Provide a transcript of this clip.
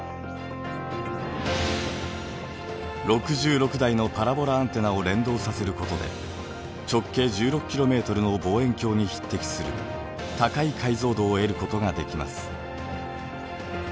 ６６台のパラボラアンテナを連動させることで直径１６ｋｍの望遠鏡に匹敵する高い解像度を得ることができます。